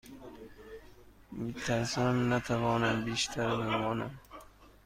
می ترسم نتوانم بیشتر بمانم.